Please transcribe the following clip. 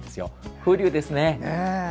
風流ですね。